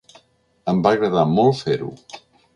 Em va agradar molt fer-ho.